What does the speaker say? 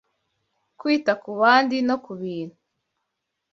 kwita ku bandi no ku bintu